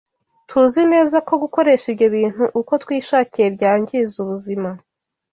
Tuzi neza ko gukoresha ibyo bintu uko twishakiye byangiza ubuzima